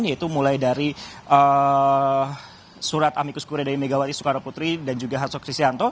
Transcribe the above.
yaitu mulai dari surat ambikus kuriai dari megawati soekarno putri dan juga h k s